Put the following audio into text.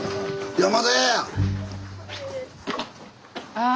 ああ。